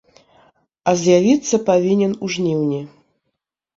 А з'явіцца павінен у жніўні.